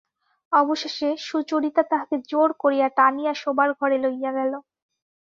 অবশেষে সুচরিতা তাহাকে জোর করিয়া টানিয়া শোবার ঘরে লইয়া গেল।